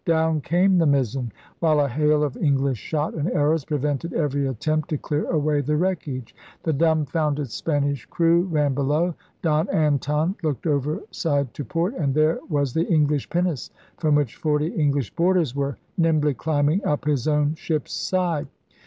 Down came the mizzen, while a hail of English shot and arrows prevented every attempt to clear away the wreckage. The dumbfounded Spanish crew ran below. Don Anton looked 134 ELIZABETHAN SEA DOGS overside to port; and there was the English pinnace, from which forty EngHsh boarders were nimbly climbing up his own ship's side.